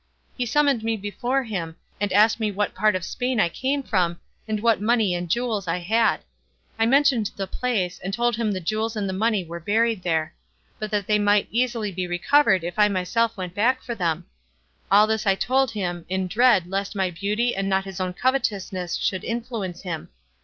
He summoned me before him, and asked me what part of Spain I came from, and what money and jewels I had. I mentioned the place, and told him the jewels and money were buried there; but that they might easily be recovered if I myself went back for them. All this I told him, in dread lest my beauty and not his own covetousness should influence him.